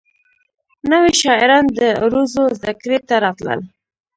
نوي شاعران د عروضو زدکړې ته راتلل.